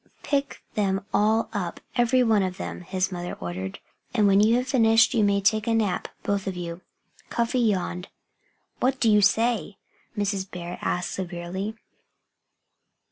"Pick them all up every one of them," his mother ordered. "And when you have finished you may take a nap both of you." Cuffy yawned. "What do you say?" Mrs. Bear asked severely.